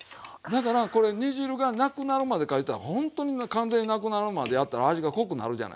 だからこれ煮汁がなくなるまでかいうたらほんとに完全になくなるまでやったら味が濃くなるじゃないですか。